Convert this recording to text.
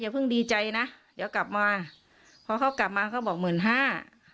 เพิ่งดีใจนะเดี๋ยวกลับมาพอเขากลับมาเขาบอกหมื่นห้า